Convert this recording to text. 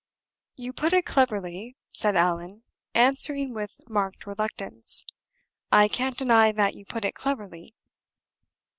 "You put it cleverly," said Allan, answering with marked reluctance; "I can't deny that you put it cleverly."